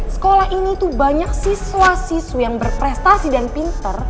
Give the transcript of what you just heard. sekolah ini tuh banyak siswa siswa yang berprestasi dan pinter